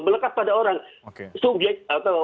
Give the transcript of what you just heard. melekat pada orang subyek